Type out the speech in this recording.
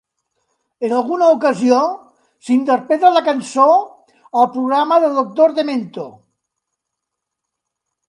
En alguna ocasió s'interpreta la cançó al programa de Doctor Demento.